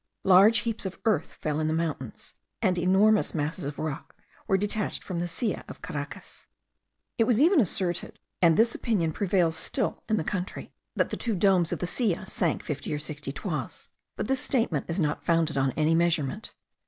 Large heaps of earth fell in the mountains; and enormous masses of rock were detached from the Silla of Caracas. It was even asserted, and this opinion prevails still in the country, that the two domes of the Silla sunk fifty or sixty toises; but this statement is not founded on any measurement.